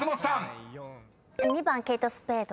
２番「ケイト・スペード」